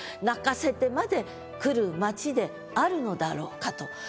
泣かせてまで来る街であるのだろうかと。